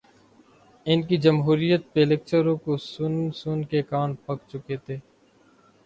ان کے جمہوریت پہ لیکچروں کو سن سن کے کان پک چکے تھے۔